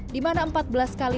di mana empat belas kali